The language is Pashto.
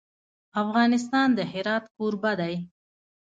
افغانستان د هرات کوربه دی.